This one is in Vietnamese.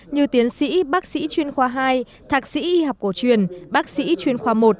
như tiến sĩ bác sĩ chuyên khoa hai thạc sĩ y học cổ truyền bác sĩ chuyên khoa một